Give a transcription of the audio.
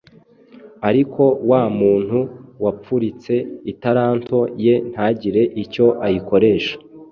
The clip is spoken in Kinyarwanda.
Ariko wa muntu wapfuritse italanto ye ntagire icyo ayikoresha,